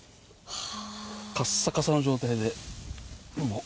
カッサカサの状態で。